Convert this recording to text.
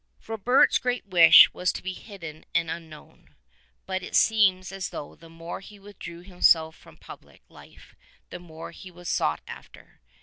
Frobert's great wish was to be hidden and unknown, but it seems as though the more he withdrew himself from public life the more he was sought after.